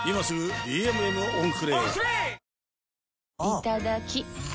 いただきっ！